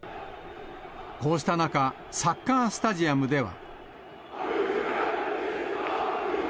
こうした中、サッカースタジアムでは。